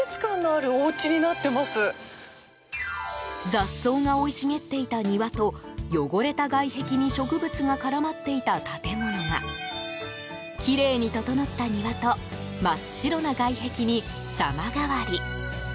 雑草が生い茂っていた庭と汚れた外壁に植物が絡まっていた建物がきれいに整った庭と真っ白な外壁に様変わり。